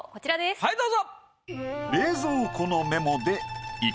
はいどうぞ。